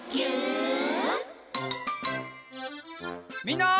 みんな。